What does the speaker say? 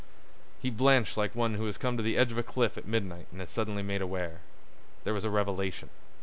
He blanched like one who has come to the edge of a cliff at midnight and is suddenly made aware. There was a revelation.